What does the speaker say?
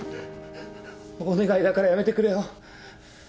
お願いだからやめてくれよ。